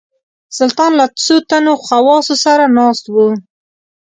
سلطان له څو تنو خواصو سره ناست وو.